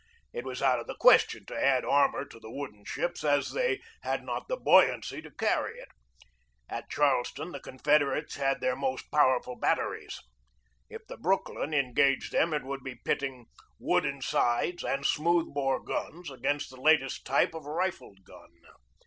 It was out of the question to add armor to the wooden ships, as they had not the buoyancy to carry it. At Charleston the Confederates had their most power ful batteries. If the Brooklyn engaged them it would be pitting wooden sides and smooth bore guns against the latest type of rifled gun.